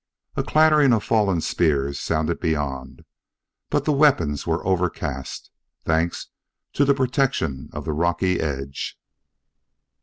A clattering of falling spears sounded beyond, but the weapons were overcast, thanks to the protection of the rocky edge.